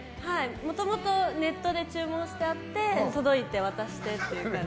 もともとネットで注文してあって届いて、渡してという感じで。